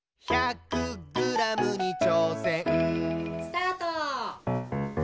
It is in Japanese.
・スタート！